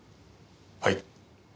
はい。